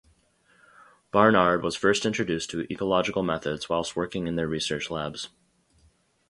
Barnard was first introduced to ecological methods whilst working in their research labs.